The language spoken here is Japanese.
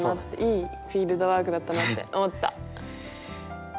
いいフィールドワークだったなって思った。